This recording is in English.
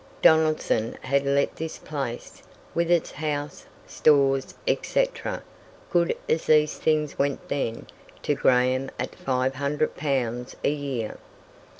Donaldson had let this place, with its house, stores, etc., good as these things went then, to Graham, at 500 pounds a year.